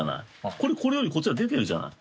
これこれよりこっちが出てるじゃない。